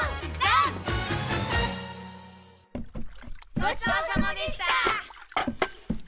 ごちそうさまでした！